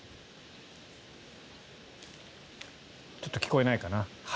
ちょっと聞こえないかな。